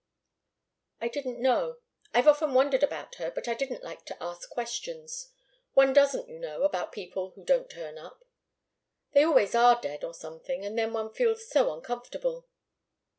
"I didn't know. I've often wondered about her, but I didn't like to ask questions. One doesn't you know, about people who don't turn up. They always are dead, or something and then one feels so uncomfortable."